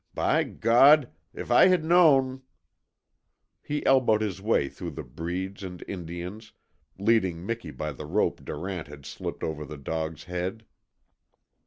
By God! if I had known " He elbowed his way through the breeds and Indians, leading Miki by the rope Durant had slipped over the dog's head.